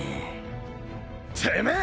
てめえ！